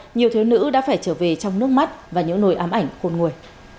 nhiều thiếu nữ đã phải trở về trong nước mắt và những nồi ám ảnh khôn nguồi